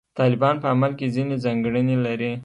طالبان په عمل کې ځینې ځانګړنې لري.